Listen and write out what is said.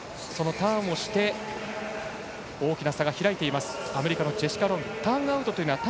ターンをして大きな差が開いています。